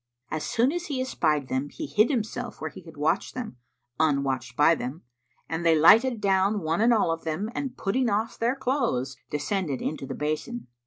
As soon as he espied them, he hid himself where he could watch them, unwatched by them, and they lighted down one and all of them, and putting off their clothes, descended into the basin.